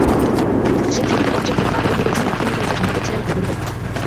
সেই ছবিতে Audrey Hepburn অভিনয় করেছিলেন রাজকুমারী চরিত্রে, সাংবাদিক ছিলেন গ্রেগরি পেক।